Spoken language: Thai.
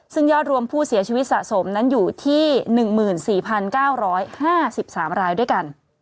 ซึ่งยอดรวมผู้เสียชีวิตสะสมนั้นอยู่ที่๑๔๙๕๓รายด้วยกัน